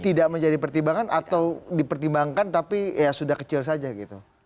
tidak menjadi pertimbangan atau dipertimbangkan tapi ya sudah kecil saja gitu